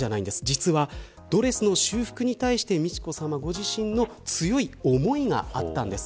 実はドレスの修復に対して美智子さまご自身の強い思いがあったんです。